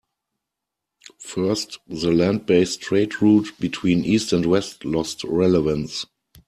First, the land based trade route between east and west lost relevance.